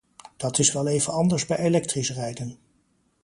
Dat is wel even anders bij elektrisch rijden.